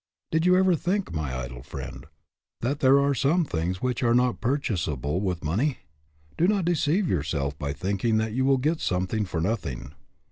Did you ever think, my idle friend, that there are some things which are not purchasable with money? Do not deceive yourself by thinking that you will get something for noth ing.